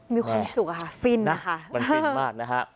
มีความสุขฟิน